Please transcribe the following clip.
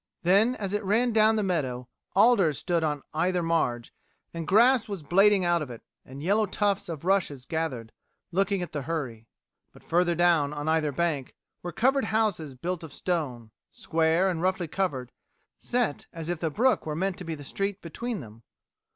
Then, as it ran down the meadow, alders stood on either marge, and grass was blading out of it, and yellow tufts of rushes gathered, looking at the hurry. But further down, on either bank, were covered houses built of stone, square, and roughly covered, set as if the brook were meant to be the street between them.